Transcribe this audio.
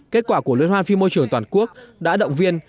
kết quả của liên hoan phim môi trường toàn quốc đã động viên